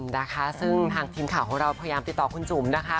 นะคะซึ่งทางทีมข่าวของเราพยายามติดต่อคุณจุ๋มนะคะ